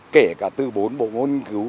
kể cả từ bốn bộ môn nghiên cứu